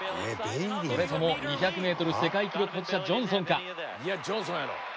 それとも２００ｍ世界記録保持者ジョンソンか？